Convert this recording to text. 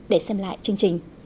để xem lại chương trình